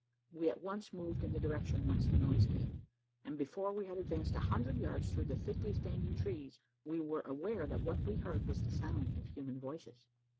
We at once moved in the direction whence the noise came; and before we had advanced a hundred yards through the thickly standing trees, we were aware that what we heard was the sound of human voices.